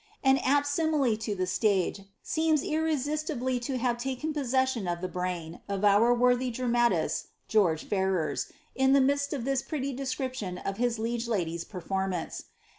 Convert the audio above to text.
An apt simile to the alagi seems irresistibly to have taken possession of the brain of our worthtf dramatist, George Ferrers, in the midst q( this pietty descriptioa of ki liege lady's pedbrmance.